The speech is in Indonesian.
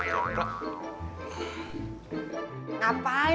kita keluar ke kabupateniting